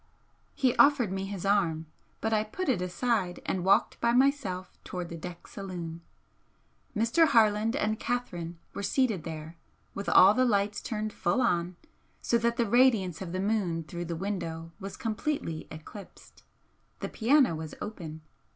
He offered me his arm, but I put it aside and walked by myself towards the deck saloon. Mr. Harland and Catherine were seated there, with all the lights turned full on, so that the radiance of the moon through the window was completely eclipsed. The piano was open.